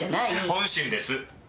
本心です。